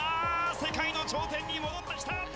世界の頂点に戻ってきた。